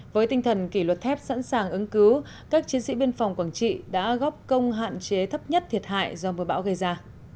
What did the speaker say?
với tinh thần kỷ luật thép sẵn sàng ứng cứu các chiến sĩ biên phòng quảng trị đã góp công hạn chế thấp nhất thiệt hại do mưa bão gây ra